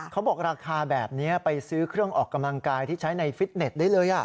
เขาบอกราคาแบบนี้ไปซื้อเครื่องออกกำลังกายที่ใช้ในฟิตเน็ตได้เลย